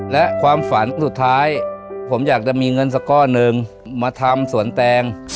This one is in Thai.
และความฝันสุดท้ายผมอยากจะมีเงินสักก้อนหนึ่งมาทำสวนแตง